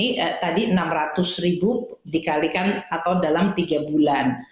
ini tadi enam ratus ribu dikalikan atau dalam tiga bulan